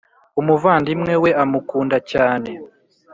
umuvandimwe we amukunda cyane